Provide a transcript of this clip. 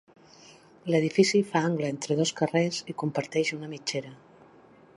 L'edifici fa angle entre dos carrers i comparteix una mitgera.